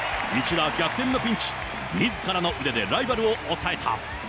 一打逆転のピンチ、みずからの腕でライバルを抑えた。